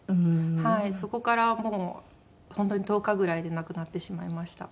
そこからもう本当に１０日ぐらいで亡くなってしまいました。